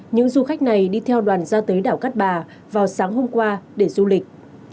những du khách này đi theo đoàn ra tới đảo cát bà vào sáng hôm qua để du lịch